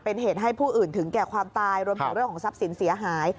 เป็นเหตุให้ผู้อื่นถึงแก่ความตายรวมถึงเรื่องของทรัพย์สินเสียหาย